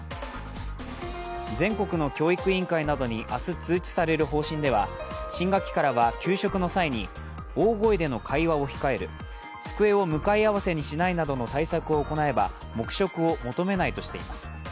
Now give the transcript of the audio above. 全国の教育委員会などに明日通知される方針では新学期からは給食の際に大声での会話を控える、机を向かい合わせにしないなどの対策を行えば黙食を求めないとしています。